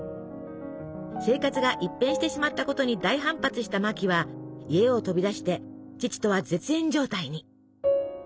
生活が一変してしまったことに大反発したマキは家を飛び出して父とは絶縁状態に。